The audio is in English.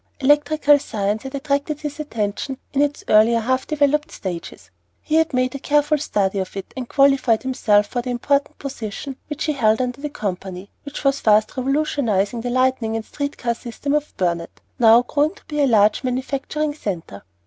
Electrical science had attracted his attention in its earlier, half developed stages; he had made a careful study of it, and qualified himself for the important position which he held under the company, which was fast revolutionizing the lighting and street car system of Burnet, now growing to be a large manufacturing centre.